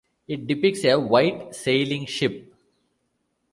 It depicts a white sailing ship.